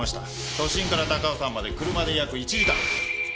都心から高尾山まで車で約１時間。